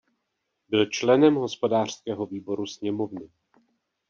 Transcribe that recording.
Byl členem hospodářského výboru sněmovny.